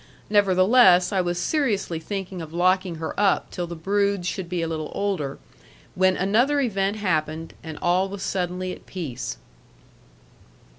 Nevertheless, I was seriously thinking of locking her up till the broods should be a little older, when another event happened, and all was suddenly at peace.